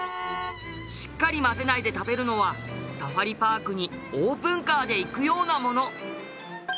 しっかり混ぜないで食べるのはサファリパークにオープンカーで行くようなもの。